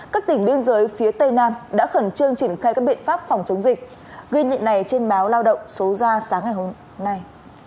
các tỉnh biên giới phía tây nam đã khẩn trương triển khai các biện pháp phòng chống dịch ghi nhận này trên báo lao động số ra sáng ngày hôm nay